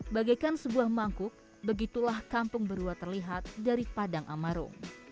bagaikan sebuah mangkuk begitulah kampung beruah terlihat dari padang amarung